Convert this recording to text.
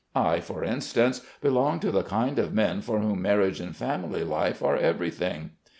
I, for instance, belong to the kind of men for whom marriage and family life are everything.'